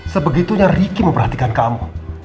sebegitunya riki memperhatikan kamu